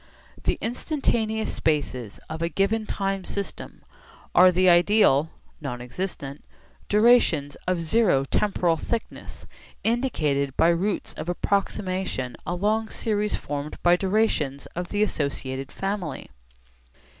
The instantaneous spaces of a given time system are the ideal (non existent) durations of zero temporal thickness indicated by routes of approximation along series formed by durations of the associated family.